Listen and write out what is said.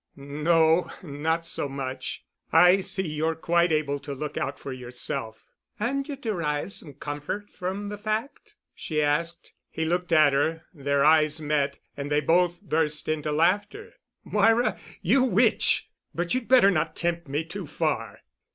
"No—not so much. I see you're quite able to look out for yourself." "And you derive some comfort from the fact?" she asked. He looked at her, their eyes met and they both burst into laughter. "Moira—you witch! But you'd better not tempt me too far."